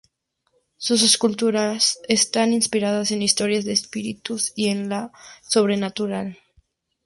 Sus esculturas están inspiradas en historias de espíritus y en lo sobrenatural.